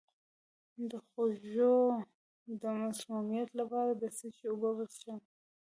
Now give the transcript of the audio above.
د خوړو د مسمومیت لپاره د څه شي اوبه وڅښم؟